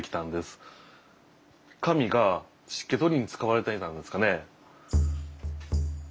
紙が湿気取りに使われていたんですかね。